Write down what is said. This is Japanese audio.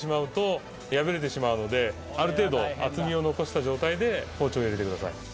ある程度厚みを残した状態で包丁を入れてください。